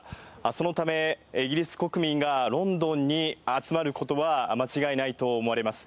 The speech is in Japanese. そのため、イギリス国民がロンドンに集まることは間違いないと思われます。